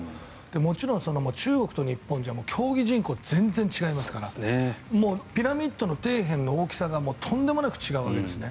もちろん中国と日本じゃ競技人口が全然違いますからもうピラミッドの底辺の大きさがとんでもなく違うわけですね。